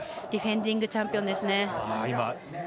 ディフェンディングチャンピオンですね。